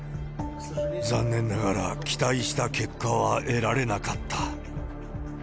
残念ながら、期待した結果は得られなかった。